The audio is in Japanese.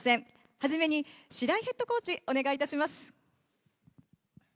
はじめに白井ヘッドコーチ、お願いいたします。